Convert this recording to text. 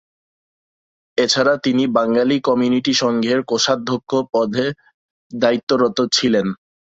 এছাড়া তিনি বাঙালি কমিউনিটি সংঘের কোষাধ্যক্ষ পদে দায়িত্বরত ছিলেন।